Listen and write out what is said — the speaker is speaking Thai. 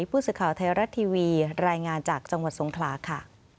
พูดสิทธิ์ข่าวไทยรัตน์ทีวีรายงานจากจังหวัดทรงขลาค่ะ